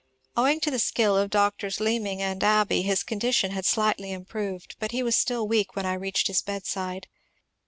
Owing to the skill of Drs. Learning and Abbey his condition had slightly improved, but he was still weak when I reached his bedside.